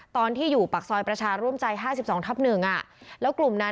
ตอนที่อยู่ปักซอยประชารร่วมใจห้าสิบสองทับหนึ่งอ่ะแล้วกลุ่มนั้นอ่ะ